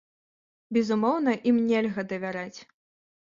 Безумоўна, ім нельга давяраць.